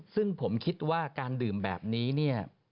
ซึ่งผมคิดว่าการดื่มแบบนี้เนี่ย